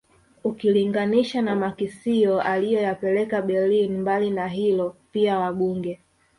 ukilinganisha na makisio aliyoyapeleka Berlin mbali na hilo pia wabunge